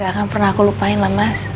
ya gak akan pernah aku lupain lah mas